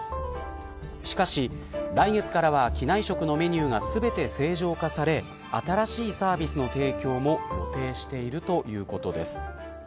しかし、来月からは機内食のメニューが全て正常化され新しいサービスの提供も予定しているということです。